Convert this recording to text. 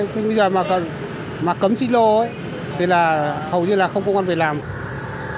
trong việc giảm ủn tăng giảm nguyên liệu giảm nguyên liệu giảm nguyên liệu giảm nguyên liệu